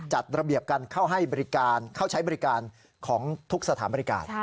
จัดระเบียบการเข้าใช้บริการของทุกสถานบริการ